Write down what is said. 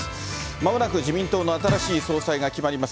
まもなく自民党の新しい総裁が決まります。